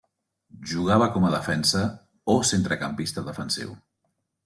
Jugava com a defensa o centrecampista defensiu.